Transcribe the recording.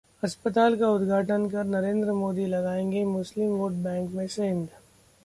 अस्पताल का उद्घाटन कर नरेंद्र मोदी लगाएंगे मुस्लिम 'वोट बैंक' में सेंध!